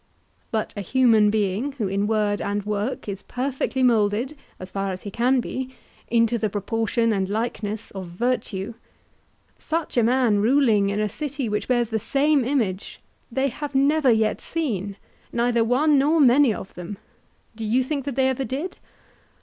But a human being who in word and work is perfectly moulded, as far as he can be, into the proportion and likeness of virtue—such a man ruling in a city which bears the same image, they have never yet seen, neither one nor many of them—do you think that they ever did?